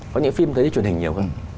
có những phim thấy truyền hình nhiều hơn